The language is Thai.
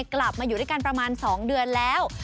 กลับมาอยู่ด้วยกันประมาณ๒เดือนแล้ว